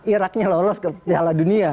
irak nya lolos ke piala dunia